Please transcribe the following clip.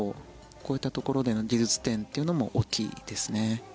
こういったところでの技術点というのも大きいですね。